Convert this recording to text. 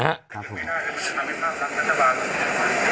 ครับผม